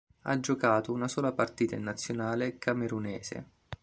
Ha giocato una sola partita in Nazionale camerunese.